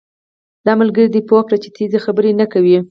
دا ملګری دې پوهه کړه چې تېزي خبرې نه کوي